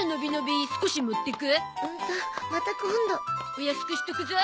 お安くしとくゾ。